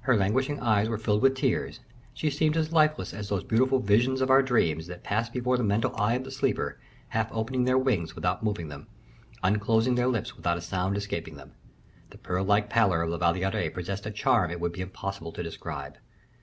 Her languishing eyes were filled with tears; she seemed as lifeless as those beautiful visions of our dreams, that pass before the mental eye of the sleeper, half opening their wings without moving them, unclosing their lips without a sound escaping them. The pearl like pallor of La Valliere possessed a charm it would be impossible to describe.